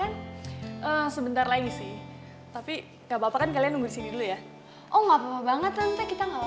ah mending saya cari masjid w buat itikab